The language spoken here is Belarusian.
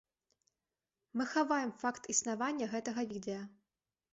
Мы хаваем факт існавання гэтага відэа!